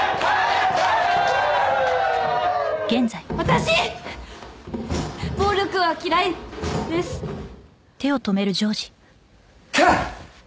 私暴力は嫌いですケッ！